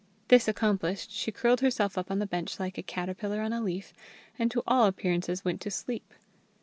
This accomplished, she curled herself up on the bench like a caterpillar on a leaf, and to all appearances went to sleep.